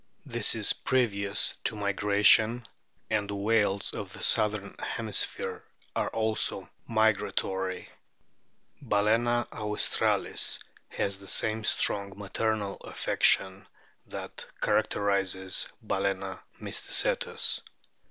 This is previous to migration, and the RIGHT WHALES 137 whales of the southern hemisphere are also migra tory. Balcena australis has the same strong maternal o affection that characterises Balcena mysticetus.